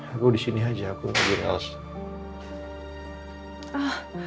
aku disini aja aku ngerti sama elsa